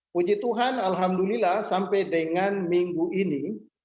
puji tuhan alhamdulillah sampai dengan minggu ini